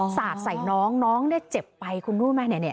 สาดใส่น้องน้องได้เจ็บไปคุณรู้มั้ยเนี่ย